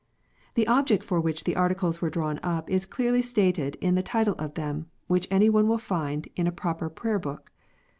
The object for which the Articles were drawn up is clearly stated in the title of them, which any one will find in a proper Prayer book.